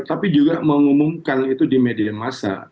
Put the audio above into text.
tapi juga mengumumkan itu di media masa